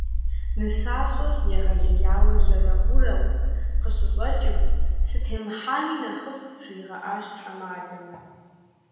Нысащӏэр егъэлеяуэ жьэрэӏурэу къыщыщӏэкӏым, «сытемыхьами нэхъыфӏт» жригъэӏащ тхьэмадэм.